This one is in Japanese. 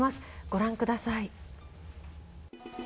ご覧ください。